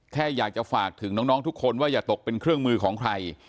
แค่อยากจะฝากถึงน้องทุกคนว่าอย่าตกเป็นเครื่องมือของใคร